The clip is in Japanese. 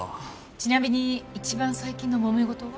ちなみに一番最近の揉め事は？